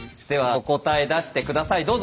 ではお答え出して下さい。